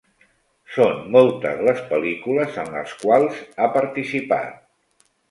Són moltes les pel·lícules en les quals ha participat.